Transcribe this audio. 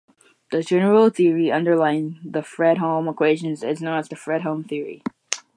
The general theory underlying the Fredholm equations is known as Fredholm theory.